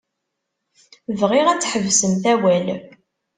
Bɣiɣ ad tḥebsemt awal.